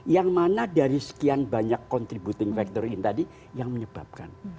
yang mana dari sekian banyak contributing factor ini tadi yang menyebabkan